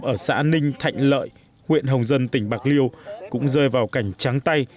ở xã ninh thạnh lợi huyện hồng dân tỉnh bạc liêu cũng rơi vào cảnh trắng tay